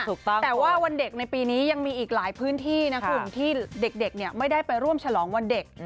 ถูกต้องแต่ว่าวันเด็กในปีนี้ยังมีอีกหลายพื้นที่นะคุณที่เด็กเนี่ยไม่ได้ไปร่วมฉลองวันเด็ก